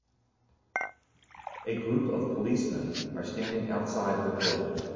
A group of policemen are standing outside of a building.